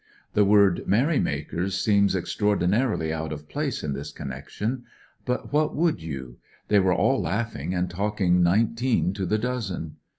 The word "merry makers" seems ex traordinarily out of place in this connec tion. Put what would you ? They were all laughing and talking nineteen to the dozen.